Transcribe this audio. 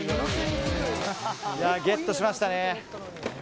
ゲットしましたね。